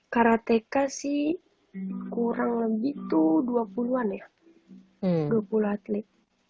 karateka sih kurang lebih tuh dua puluh an ya dua puluh atlet